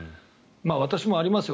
私もありますよ。